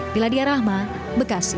biladia rahma bekasi